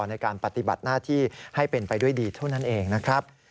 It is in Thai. ในการปฏิบัติหน้าที่ให้เป็นไปด้วยดีเท่านั้นเองนะครับ